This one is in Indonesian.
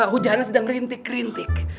hujannya sedang rintik rintik